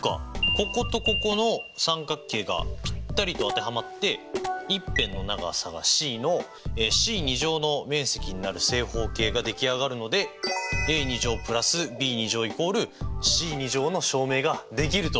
こことここの三角形がぴったりと当てはまって一辺の長さがｃのｃの面積になる正方形が出来上がるのでａ＋ｂ＝ｃの証明ができると！